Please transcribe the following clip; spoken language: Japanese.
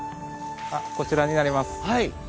こちらになります。